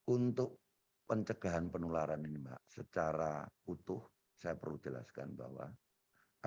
untuk pencegahan penularan ini mbak secara utuh saya perlu jelaskan bahwa